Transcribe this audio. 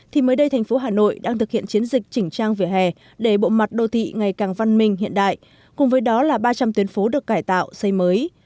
trần phú hà nội đang thực hiện chiến dịch chỉnh trang vỉa hè để bộ mặt đồ thị ngày càng văn minh hiện đại cùng với đó là ba trăm linh tuyến phố được cải tạo xây mới